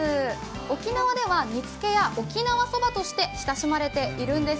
沖縄では煮つけや沖縄そばとして親しまれているんです。